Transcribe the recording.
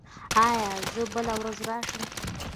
ایا زه بله ورځ راشم؟